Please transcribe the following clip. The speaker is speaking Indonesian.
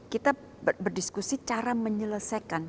kita berdiskusi cara menyelesaikan